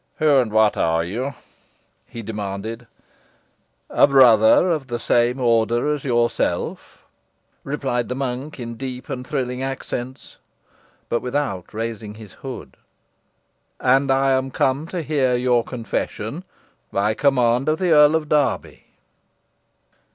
"Who, and what are you?" he demanded. "A brother of the same order as yourself," replied the monk, in deep and thrilling accents, but without raising his hood; "and I am come to hear your confession by command of the Earl of Derby."